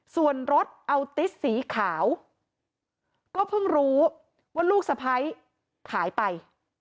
ส่วนรถอัลติสสีขาวก็เพิ่งรู้ว่าลูกสะพ้ายขายไป